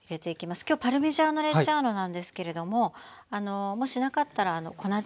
今日パルミジャーノ・レッジャーノなんですけれどももしなかったら粉チーズとかでも。